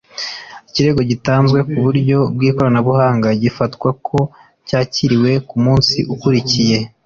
ikirego gitanzwe ku buryo bw’ ikoranabuhanga gifatwa ko cyakiriwe ku munsi ukurikiye